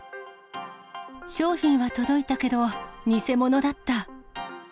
商品は届いたけど、偽物だった。